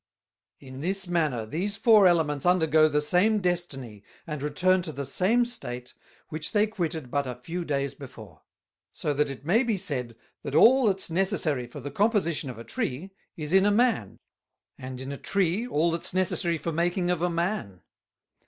"In this manner, these Four Elements undergo the same Destiny, and return to the same State, which they quitted but a few days before: So that it may be said, that all that's necessary for the composition of a Tree, is in a Man; and in a Tree, all that's necessary for making of a Man.